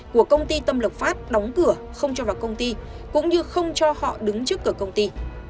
của công ty tâm lộc phát đóng cửa không cho vào công ty cũng như không cho họ đứng trước cửa công ty